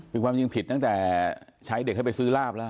คือความจริงผิดตั้งแต่ใช้เด็กให้ไปซื้อลาบแล้ว